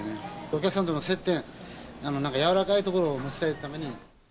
お客さんとの接点、なんかやわらかいところを持ちたいために。